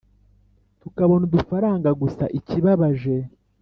tukabona udufaranga, gusa ikibabaje